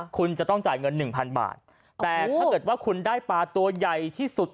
คุณจะต้องจ่ายเงินหนึ่งพันบาทแต่ถ้าเกิดว่าคุณได้ปลาตัวใหญ่ที่สุด